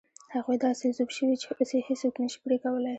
هغوی داسې ذوب شوي چې اوس یې هېڅوک نه شي پرې کولای.